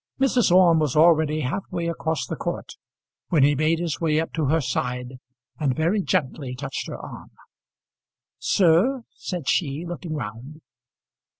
Mrs. Orme was already half way across the court when he made his way up to her side and very gently touched her arm. "Sir?" said she, looking round.